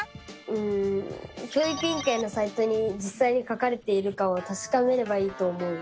うん教育委員会のサイトにじっさいに書かれているかをたしかめればいいと思う！